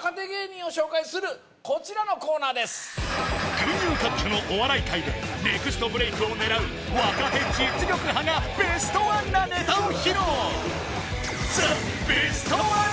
群雄割拠のお笑い界でネクストブレイクを狙う若手実力派がベストワンなネタを披露